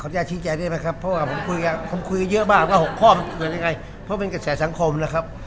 จะชี้แจงได้ไหมครับเพราะว่าผมคุยกับผมคุยเยอะมากว่า๖ข้อมันเกิดยังไงเพราะเป็นกระแสสังคมนะครับ